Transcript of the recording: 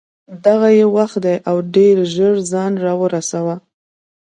دغه یې وخت دی او ډېر ژر ځان را ورسوه.